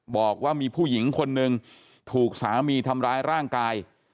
บอกว่ามีผู้หญิงคนหนึ่งถูกสามีทำร้ายร่างกาย